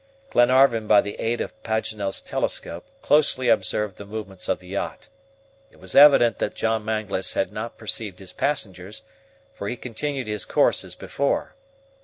Glenarvan, by the aid of Paganel's telescope, closely observed the movements of the yacht. It was evident that John Mangles had not perceived his passengers, for he continued his course as before.